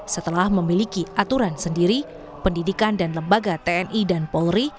setelah memiliki aturan sendiri pendidikan dan lembaga tni dan polri